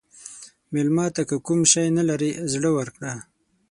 مېلمه ته که کوم شی نه لرې، زړه ورکړه.